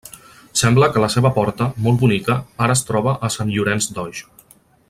Sembla que la seva porta, molt bonica, ara es troba a Sant Llorenç d'Oix.